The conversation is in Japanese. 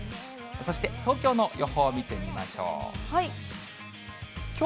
そして東京の予報見てみましょう。